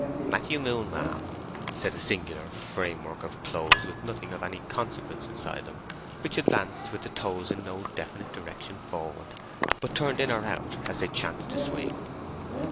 "Matthew Moon, ma'am," said a singular framework of clothes with nothing of any consequence inside them, which advanced with the toes in no definite direction forwards, but turned in or out as they chanced to swing.